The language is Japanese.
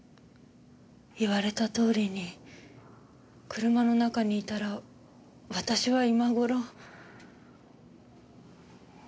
言われたとおりに車の中にいたら私は今頃。